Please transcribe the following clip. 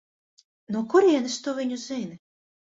No kurienes tu viņu zini?